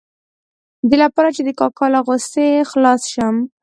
د دې لپاره چې د کاکا له غوسې خلاص شم.